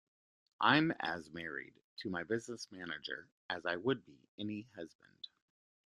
I'm as married to my business manager as I would be any husband.